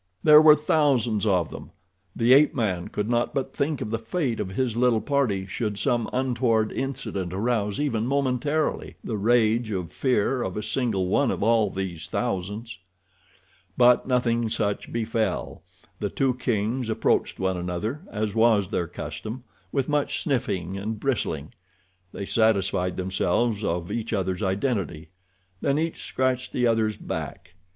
There were thousands of them. The ape man could not but think of the fate of his little party should some untoward incident arouse even momentarily the rage of fear of a single one of all these thousands. But nothing such befell. The two kings approached one another, as was their custom, with much sniffing and bristling. They satisfied themselves of each other's identity. Then each scratched the other's back.